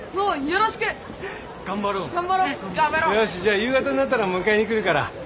よしじゃあ夕方になったら迎えに来るから。